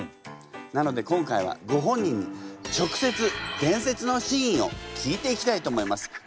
なので今回はご本人に直接伝説の真意を聞いていきたいと思います。